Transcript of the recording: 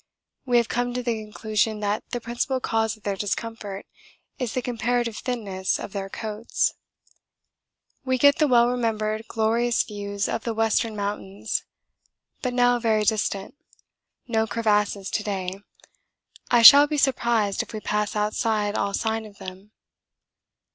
We have come to the conclusion that the principal cause of their discomfort is the comparative thinness of their coats. We get the well remembered glorious views of the Western Mountains, but now very distant. No crevasses to day. I shall be surprised if we pass outside all sign of them.